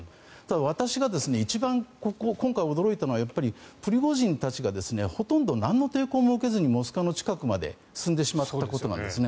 私が一番、今回驚いたのはプリゴジンたちがほとんどなんの抵抗も受けずにモスクワの近くまで進んでしまったことなんですね。